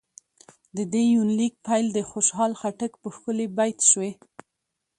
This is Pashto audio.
د دې يونليک پيل د خوشحال خټک په ښکلي بېت شوې